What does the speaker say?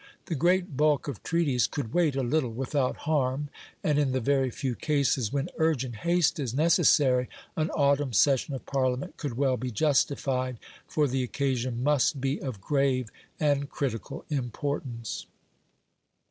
The great bulk of treaties could wait a little without harm, and in the very few cases when urgent haste is necessary, an autumn session of Parliament could well be justified, for the occasion must be of grave and critical importance.